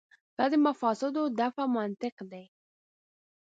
دا د مفاسدو دفع منطق دی.